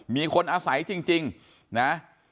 มีคนอาศัยจริงนะ